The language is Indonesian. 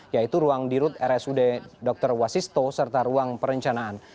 yaitu ruang dirut rsud dr wasisto serta ruang perencanaan